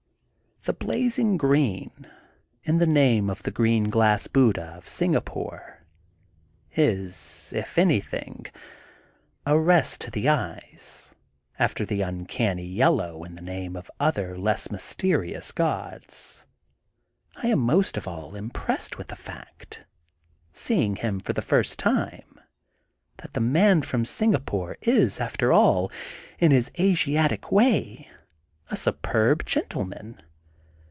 The blazing green, in the name of the Green Glass Buddha of Singapore is, if anything, a rest to the eyes after the imcanny yellow in the name of other less mysterious gods. I am most of all impressed with the fact, seeing him for the first time, that the Man from Singapore is, after all, in his Asiatic way, a superb gentleman.